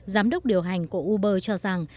giám đốc điều hành của uber cho rằng